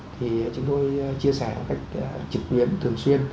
thì chúng tôi chia sẻ một cách trực tuyến thường xuyên